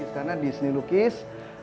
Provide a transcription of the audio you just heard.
karena di seni lukis